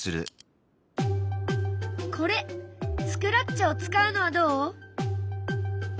これスクラッチを使うのはどう？